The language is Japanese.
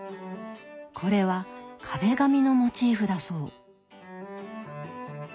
これは壁紙のモチーフだそう。